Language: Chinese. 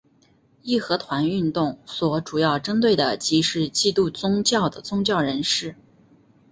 义和团运动所主要针对的即是基督宗教的宗教人士。